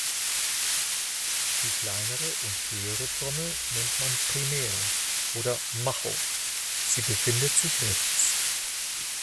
Die kleinere und höhere Trommel nennt man "„Primero“" oder "„Macho“"; sie befindet sich rechts.